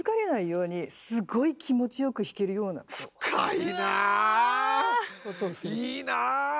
いいなあ。